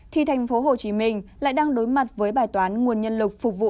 thì thành phố hồ chí minh lại đang đối mặt với bài toán nguồn nhân lực phục vụ